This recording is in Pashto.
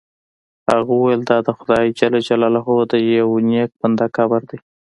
هغه وویل دا د خدای جل جلاله د یو نیک بنده قبر دی.